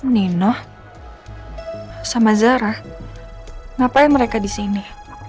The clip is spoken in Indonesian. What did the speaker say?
nino sama zarah ngapain mereka di sini